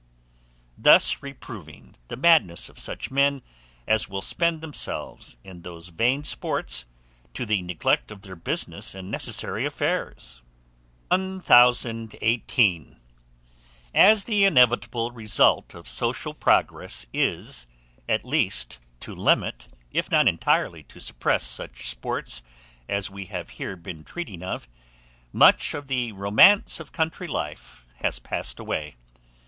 Thus reproving the madness of such men as will spend themselves in those vain sports, to the neglect of their business and necessary affairs. 1018. AS THE INEVITABLE RESULT OF SOCIAL PROGRESS is, at least to limit, if not entirely to suppress, such sports as we have here been treating of, much of the romance of country life has passed away.